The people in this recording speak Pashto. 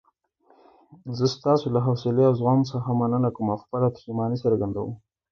زه ستاسو له حوصلې او زغم څخه مننه کوم او خپله پښیماني څرګندوم.